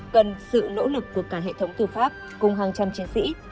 cần sự nỗ lực của cả hệ thống tư pháp cùng hàng trăm chiến sĩ